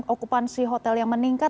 okupansi hotel yang meningkat